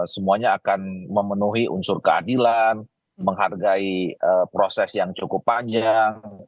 semuanya akan memenuhi unsur keadilan menghargai proses yang cukup panjang